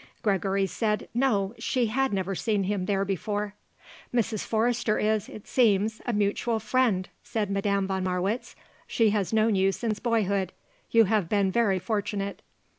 Gregory said, no, she had never seen him there before. "Mrs. Forrester is, it seems, a mutual friend," said Madame von Marwitz. "She has known you since boyhood. You have been very fortunate."